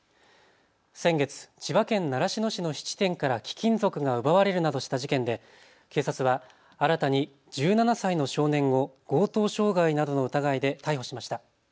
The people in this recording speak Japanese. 先月、千葉県習志野市の質店から貴金属が奪われるなどした事件で警察は新たに１７歳の少年を強盗傷害などの疑いで逮捕しました。